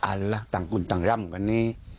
ละต่างคนต่างร่ำกันนี้